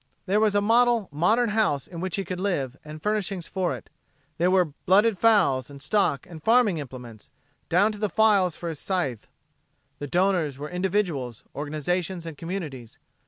There was a model, modern house in which he could live, and furnishings for it. There were blooded fowls and stock and farming implements, down to the files for his scythe. The donors were individuals, organizations and communities.